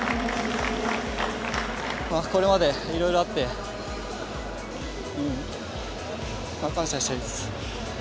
これまでいろいろあって、感謝したいです。